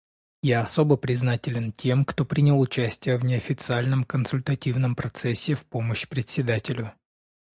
Я особо признателен тем, кто принял участие в неофициальном консультативном процессе в помощь Председателю.